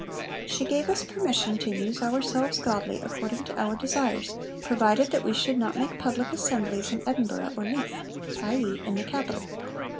'She gave to us permission to use ourselves godly, according to our desires, provided that we should not make public assemblies in Edinburgh or Leith' i.e., in the capital.